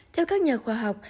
theo các nhà khoa học